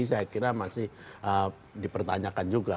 saya kira masih dipertanyakan juga